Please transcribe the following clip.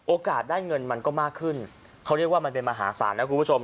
ได้เงินมันก็มากขึ้นเขาเรียกว่ามันเป็นมหาศาลนะคุณผู้ชม